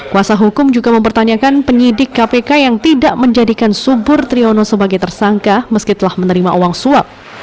kuasa hukum juga mempertanyakan penyidik kpk yang tidak menjadikan subur triyono sebagai tersangka meski telah menerima uang suap